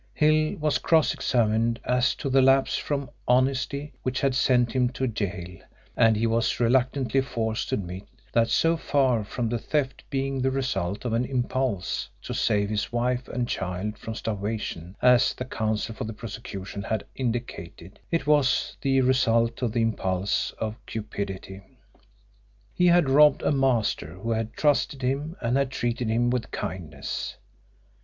Hill was cross examined as to the lapse from honesty which had sent him to gaol, and he was reluctantly forced to admit, that so far from the theft being the result of an impulse to save his wife and child from starvation, as the Counsel for the prosecution had indicated, it was the result of the impulse of cupidity. He had robbed a master who had trusted him and had treated him with kindness.